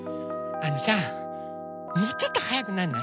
あのさもうちょっとはやくなんない？